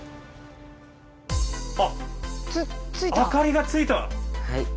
あっ明かりがついた！